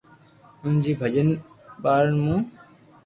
انهن جي پنجن ٻارن مان،